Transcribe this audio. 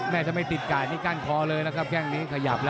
แม่จะไม่ติดการในกล้านคอเลยนะครับ